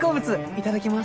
いただきます。